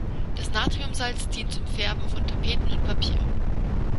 Das Natriumsalz dient zum Färben von Tapeten und Papier.